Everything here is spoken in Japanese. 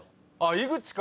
井口か！